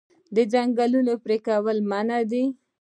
د ځنګلونو پرې کول منع دي.